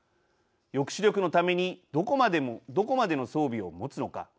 抑止力のためにどこまでの装備を持つのか。